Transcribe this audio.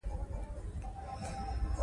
شفافیت په مالي چارو کې اړین دی.